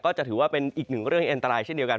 จะถือว่าเป็นอีกหนึ่งเรื่องอันตรายเช่นเดียวกัน